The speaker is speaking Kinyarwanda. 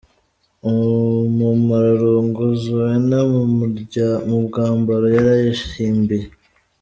Umumararungu Zouena mu mwambaro yari yihimbiye.